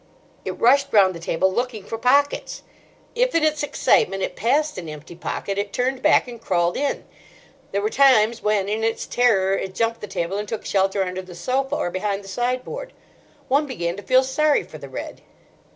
It rushed round the table looking for pockets. If in its excitement, it passed an empty pocket, it turned back and crawled in. There were times when in its terror it jumped the table and took shelter under the sofa or behind the sideboard. One began to feel sorry for the red.